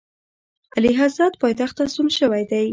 اعلیحضرت پایتخت ته ستون شوی دی.